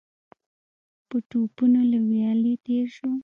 په ټوپونو له ويالې تېر شو.